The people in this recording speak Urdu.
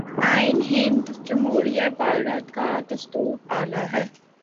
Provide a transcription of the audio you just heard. آئین ہند جمہوریہ بھارت کا دستور اعلیٰ ہے